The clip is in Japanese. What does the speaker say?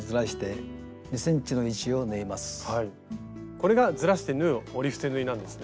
これがずらして縫う折り伏せ縫いなんですね。